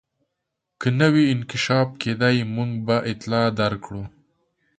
که څه نوی انکشاف کېدی موږ به اطلاع درکړو.